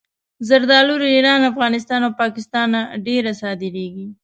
زردالو له ایران، افغانستان او پاکستانه ډېره صادرېږي.